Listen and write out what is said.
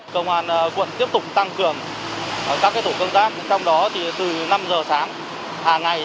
công an quận tiếp tục tăng cường các tổ công tác trong đó thì từ năm giờ sáng hàng ngày